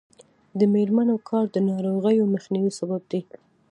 د میرمنو کار د ناروغیو مخنیوي سبب دی.